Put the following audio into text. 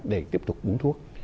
để tiếp tục uống thuốc